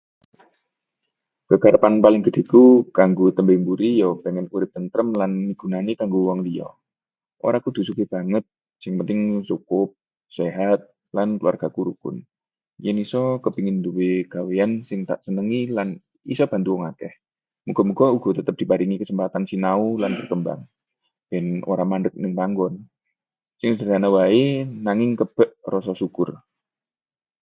Kekarepan paling gedheku kanggo tembe mburi ya pengin urip tentrem lan migunani kanggo wong liya. Ora kudu sugih banget, sing penting cukup, sehat, lan keluargaku rukun. Yen isa, kepengin nduwe gaweyan sing tak senengi lan iso bantu wong akeh. Muga-muga uga tetep diparingi kesempatan sinau lan berkembang, ben ora mandheg ning panggon. Sing sederhana wae, nanging kebak rasa syukur.